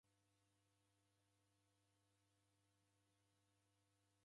Chaw'uchenyi kwa w'aja w'aw'iabonya kazi iboie.